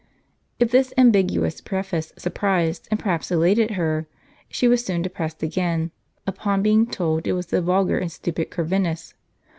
If this ambiguous preface surprised, and perhaps elated her, she was soon depressed again, upon being told it was the vulgar and stupid Corvinus.